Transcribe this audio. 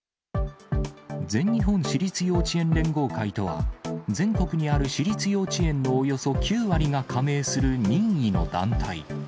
全日本私立幼稚園連合会とは、全国にある私立幼稚園のおよそ９割が加盟する任意の団体。